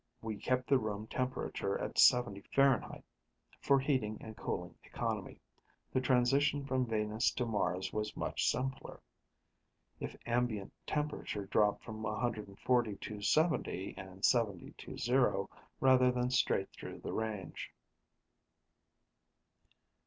We kept the room temperature at 70 F, for heating and cooling economy; the transition from Venus to Mars was much simpler if ambient temperature dropped from 140 to 70 and from 70 to 0, rather than straight through the range.